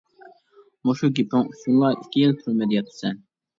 -مۇشۇ گېپىڭ ئۈچۈنلا ئىككى يىل تۈرمىدە ياتىسەن.